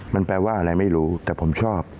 มันแปลว่าอะไรไม่รู้แต่ผมชอบ